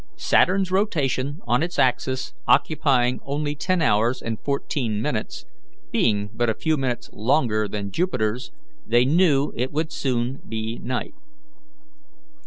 Saturn's rotation on its axis occupying only ten hours and fourteen minutes, being but a few minutes longer than Jupiter's, they knew it would soon be night.